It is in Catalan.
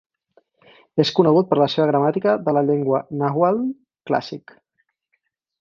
És conegut per la seva gramàtica de la llengua nàhuatl clàssic.